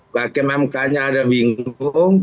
kalau pak mk nya ada bingung